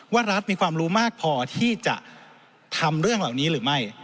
รัฐมีความรู้มากพอที่จะทำเรื่องเหล่านี้หรือไม่